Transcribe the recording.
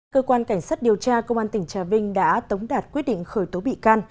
cơ quan cảnh sát điều tra công an tỉnh trà vinh đã tống đạt quyết định khởi tố bị can